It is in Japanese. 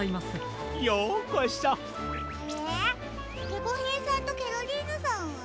ゲコヘイさんとケロリーヌさんは？